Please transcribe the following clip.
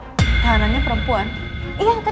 iya tadi bilangnya begitu diberitanya